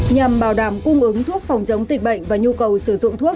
nhằm bảo đảm cung ứng thuốc phòng chống dịch bệnh và nhu cầu sử dụng thuốc